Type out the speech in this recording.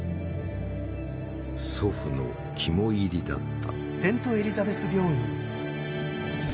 祖父の肝煎りだった。